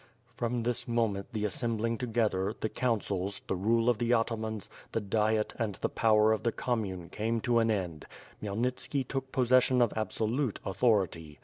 From this moment the assembling together, the councils, the rule of the atamans, the diet, and the power of the com mune came to an end. Khmyelnitski took possession of ab solute authority.